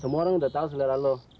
semua orang udah tau selera lu